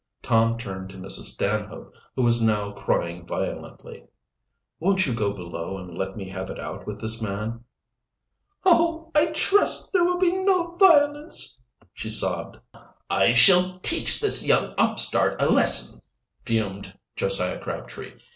Tom turned to Mrs. Stanhope, who was now crying violently. "Won't you go below and let me have it out with this man?" "Oh, I trust there will be no violence!" she sobbed. "I shall teach this young upstart a lesson," fumed Josiah Crabtree.